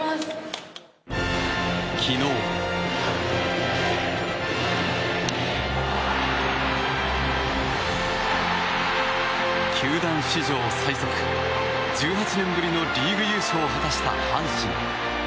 昨日球団史上最速、１８年ぶりのリーグ優勝を果たした阪神。